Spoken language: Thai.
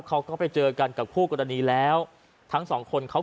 เขาก็ไปเจอกันกับคู่กรณีแล้วทั้งสองคนเขา